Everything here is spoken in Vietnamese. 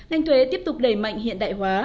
ngành thuế tiếp tục đẩy mạnh hiện đại hóa